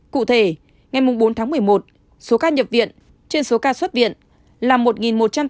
cụ thể ngày mùng bốn tháng một mươi một số ca nhập viện trên số ca xuất viện là một một trăm tám mươi bảy trên sáu trăm tám mươi tám trường hợp